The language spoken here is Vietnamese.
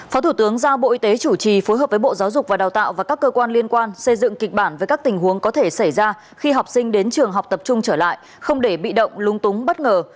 phó thủ tướng giao bộ y tế chủ trì phối hợp với bộ giáo dục và đào tạo và các cơ quan liên quan xây dựng kịch bản về các tình huống có thể xảy ra khi học sinh đến trường học tập trung trở lại không để bị động lung túng bất ngờ